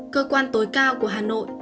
cơ quan tối cao của hà nội